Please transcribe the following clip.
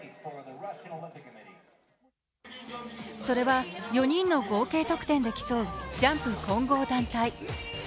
それは４人の合計得点で競うジャンプ混合団体。